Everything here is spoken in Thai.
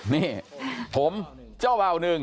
นี่ผมเจ้าเบ่า๑